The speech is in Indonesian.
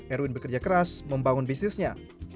erwin bekerja keras membangun bisnisnya